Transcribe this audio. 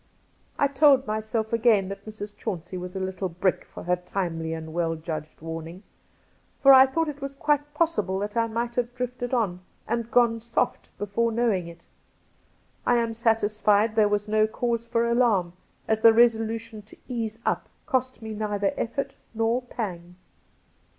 I told myself again that Mrs. Chauncey was a * little brick ' for her timely and well judged warning ; for I thought it was quite possible that I might have drifted on and ' gone soft ' before "knowing it. I am satisfied that there was no cause for alarm, as the resolution to 'ease up' cost me neither efibrt nor pang.